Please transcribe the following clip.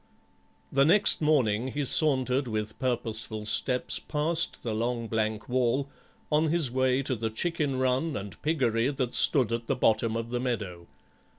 The next morning he sauntered with purposeful steps past the long blank wall on his way to the chicken run and piggery that stood at the bottom of the meadow.